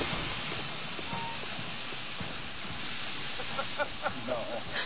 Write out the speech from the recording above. ・ハハハハハ！